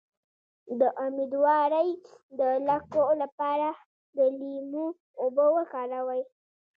د امیدوارۍ د لکو لپاره د لیمو اوبه وکاروئ